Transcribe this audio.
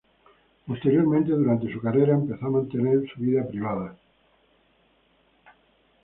Posteriormente, durante su carrera, empezó a mantener su vida privada.